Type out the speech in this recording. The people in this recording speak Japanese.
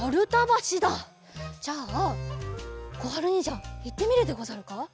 じゃあこはるにんじゃいってみるでござるか？